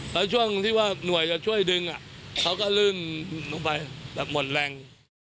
แล้วช่วงที่ว่าหน่วยจะช่วยดึงเขาก็ลื่นลงไปแบบหมดแรง